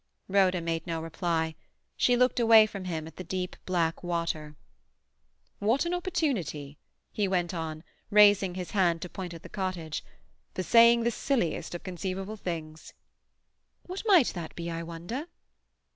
Rhoda made no reply. She looked away from him at the black, deep water. "What an opportunity," he went on, raising his hand to point at the cottage, "for saying the silliest of conceivable things!" "What might that be, I wonder?"